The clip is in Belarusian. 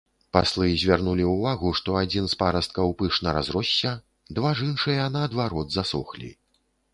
Паслы звярнулі ўвагу, што адзін з парасткаў пышна разросся, два ж іншыя, наадварот, засохлі.